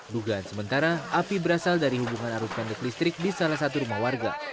dugaan sementara api berasal dari hubungan arus pendek listrik di salah satu rumah warga